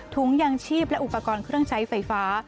ถุงยางชีพและอุปกรณ์เครื่องใช้ไฟฟ้า